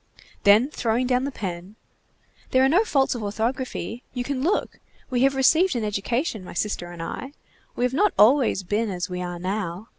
Then throwing down the pen:— "There are no faults of orthography. You can look. We have received an education, my sister and I. We have not always been as we are now.